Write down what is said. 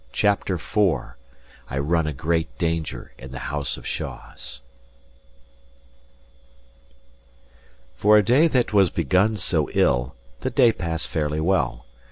CHAPTER IV I RUN A GREAT DANGER IN THE HOUSE OF SHAWS For a day that was begun so ill, the day passed fairly well.